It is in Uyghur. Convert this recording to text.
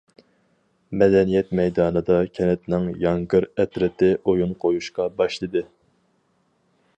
مەدەنىيەت مەيدانىدا كەنتنىڭ ياڭگىر ئەترىتى ئويۇن قويۇشقا باشلىدى.